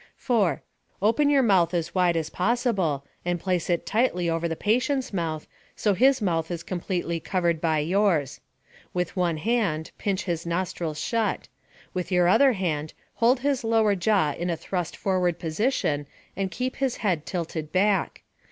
4. Open your mouth as wide as possible, and place it tightly over the patient's mouth, so his mouth is completely covered by yours. With one hand, pinch his nostrils shut. With your other hand, hold his lower jaw in a thrust forward position and keep his head tilted back.